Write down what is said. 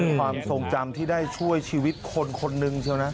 มันเป็นความทรงจำที่ได้ช่วยชีวิตคนคนหนึ่งใช่ไหม